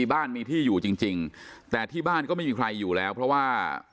บ้านมีที่อยู่จริงแต่ที่บ้านก็ไม่มีใครอยู่แล้วเพราะว่า